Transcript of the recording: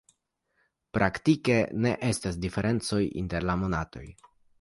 Praktike ne estas diferencoj inter la monatoj.